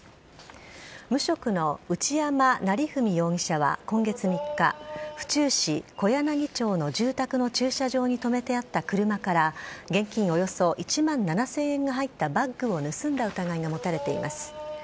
無職の内山成文容疑者は今月３日、府中市小柳町の住宅の駐車場に止めてあった車から、現金およそ１万７０００円が入ったバッグを盗んだ疑いが持たれています。